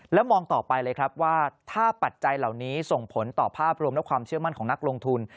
แล้วมองต่อไปเลยครับว่าถ้าปัจจัยเหล่านี้ส่งผลต่อภาพรวมและความเชื่อมั่นของนักลงทุน